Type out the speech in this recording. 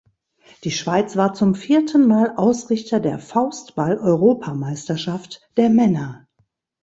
Die Schweiz war zum vierten Mal Ausrichter der Faustball-Europameisterschaft der Männer.